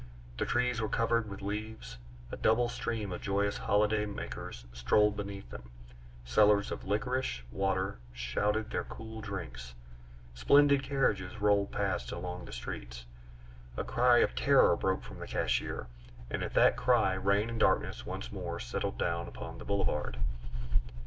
The trees were covered with leaves; a double stream of joyous holiday makers strolled beneath them. Sellers of licorice water shouted their cool drinks. Splendid carriages rolled past along the streets. A cry of terror broke from the cashier, and at that cry rain and darkness once more settled down upon the Boulevard.